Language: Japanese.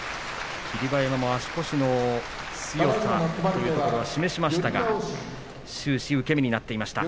霧馬山も足腰の強さというところを示しましたが終始、受け身になっていました。